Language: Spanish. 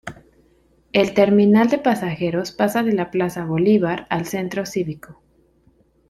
El terminal de pasajeros pasa de la plaza Bolívar al Centro Cívico.